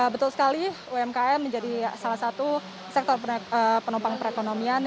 betul sekali umkm menjadi salah satu sektor penopang perekonomian